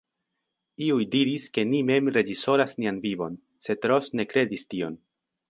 Iuj diris, ke ni mem reĝisoras nian vivon, sed Ros ne kredis tion.